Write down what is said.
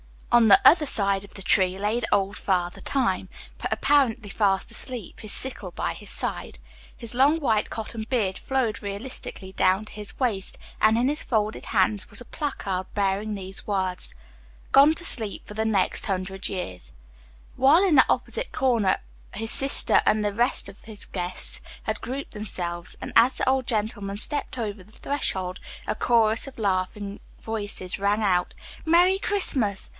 On the other side of the tree lay old Father Time, apparently fast asleep, his sickle by his side. His long white cotton beard flowed realistically down to his waist, and in his folded hands was a placard bearing these words, "Gone to sleep for the next hundred years," while in the opposite corner his sister and the rest of the guests had grouped themselves, and as the old gentleman stepped over the threshold, a chorus of laughing voices rang out: "Merry Christmas!